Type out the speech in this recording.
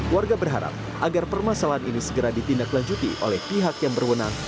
warga berharap agar permasalahan ini segera ditindaklanjuti oleh pihak yang berwenang